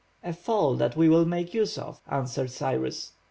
"A fall that we will make use of!" answered Cyrus.